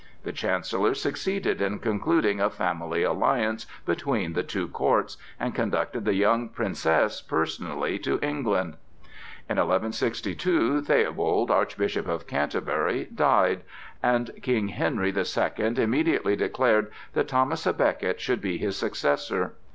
The Chancellor succeeded in concluding a family alliance between the two courts, and conducted the young princess personally to England. In 1162 Theobald, Archbishop of Canterbury, died, and King Henry the Second immediately declared that Thomas à Becket should be his successor.